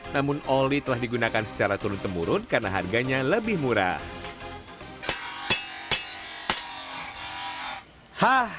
namun oli telah digunakan secara turun temurun karena harganya lebih murah